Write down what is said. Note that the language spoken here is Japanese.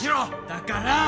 だから！